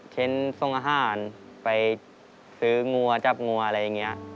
ส่งอาหารไปซื้องัวจับงัวอะไรอย่างนี้